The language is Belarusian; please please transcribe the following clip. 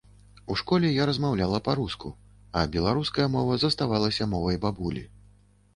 У школе я размаўляла па-руску, а беларуская мова заставалася мовай бабулі.